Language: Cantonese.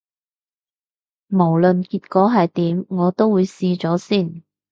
無論結果係點，我都會試咗先